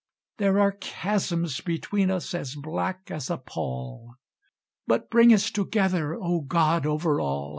There are chasms between us as black as a pall, But bring us together, O God over all!